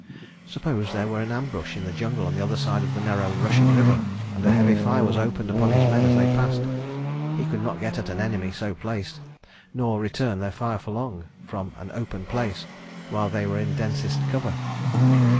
Suppose there were an ambush in the jungle on the other side of the narrow rushing river, and a heavy fire was opened upon his men as they passed? He could not get at an enemy so placed, nor return their fire for long, from an open place, while they were in densest cover.